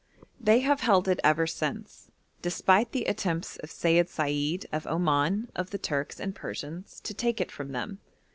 They have held it ever since, despite the attempts of Seyid Said of Oman, of the Turks and Persians, to take it from them.